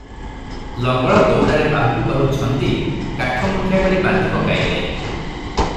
ଲଙ୍ଗଳ ଦଉଡ଼ାରେ ବାହୁକୁ ବାହୁ ଛନ୍ଦି କାଠମୁଠିଆ କରି ବାନ୍ଧି ପକାଇଲେ ।